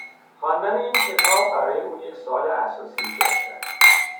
خواندن این کتاب برای او یک سوال اساسی ایجاد کرد